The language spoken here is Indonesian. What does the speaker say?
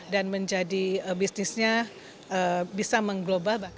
dan menjadi bisnisnya bisa mengglobal